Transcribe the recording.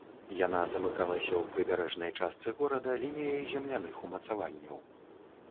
Яна замыкалася ў прыбярэжнай частцы горада лініяй земляных умацаванняў.